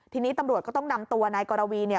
ทีนี้ตำรวจก็ต้องนำตัวนายกรวีเนี่ย